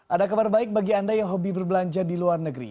ada kabar baik bagi anda yang hobi berbelanja di luar negeri